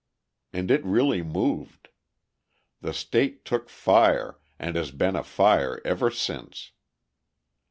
And it really moved; the state took fire and has been afire ever since.